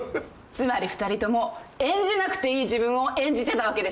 つまり２人とも演じなくていい自分を演じてたわけです。